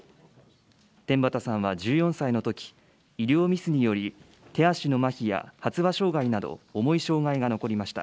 天畠さんは１４歳のとき、医療ミスにより、手足のまひや発話障害など、重い障害が残りました。